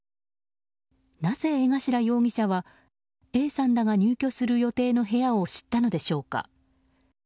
なぜ江頭容疑者はＡさんらが入居する予定の部屋を知ったのでしょうか。